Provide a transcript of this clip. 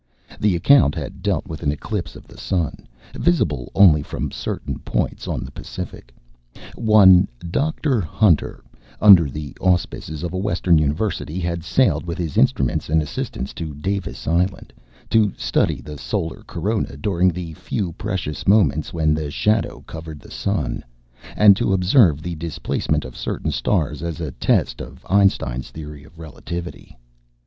The account had dealt with an eclipse of the sun, visible only from certain points on the Pacific. One Dr. Hunter, under the auspices of a Western university, had sailed with his instruments and assistants to Davis Island, to study the solar corona during the few precious moments when the shadow covered the sun, and to observe the displacement of certain stars as a test of Einstein's theory of relativity.